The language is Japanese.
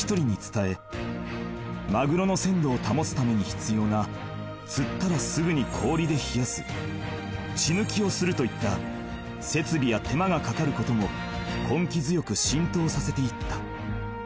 ［マグロの鮮度を保つために必要な「釣ったらすぐに氷で冷やす」「血抜きをする」といった設備や手間がかかることも根気強く浸透させていった］